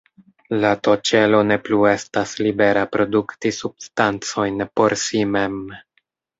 La T-ĉelo ne plu estas libera produkti substancojn por si mem.